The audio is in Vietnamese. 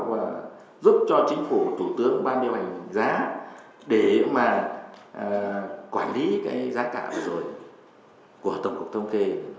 và giúp cho chính phủ thủ tướng ban điều hành giá để mà quản lý cái giá cả vừa rồi của tổng cục thông kê